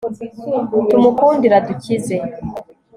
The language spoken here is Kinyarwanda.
tumukundire adukize